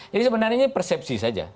jadi sebenarnya ini persepsi saja